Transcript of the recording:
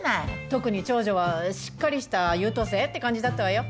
特に長女はしっかりした優等生って感じだったわよ。